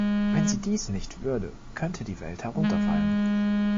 Wenn Sie dies nicht würde, könnte die Welt herunterfallen.